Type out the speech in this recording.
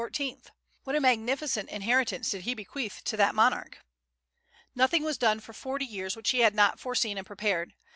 What a magnificent inheritance did he bequeath to that monarch! "Nothing was done for forty years which he had not foreseen and prepared.